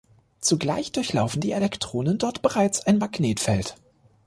Zugleich durchlaufen die Elektronen dort bereits ein Magnetfeld.